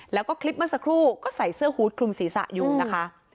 แล้วก็คลิปเมื่อสักครู่ก็ใส่เสื้อฮูตคลุมศีรษะอยู่นะคะ